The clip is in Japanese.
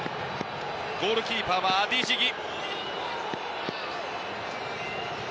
ゴールキーパーアティ・ジギ。